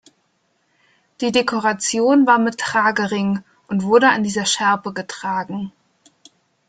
Die Dekoration war mit Tragering und wurde an dieser Schärpe getragen.